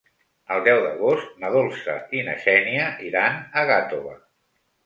El deu d'agost na Dolça i na Xènia iran a Gàtova.